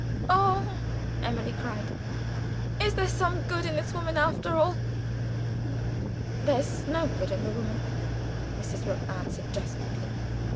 "Oh!" Emily cried, "is there some good in this woman, after all?" "There's no good in the woman!" Mrs. Rook answered desperately.